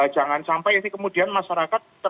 jangan sampai kemudian masyarakat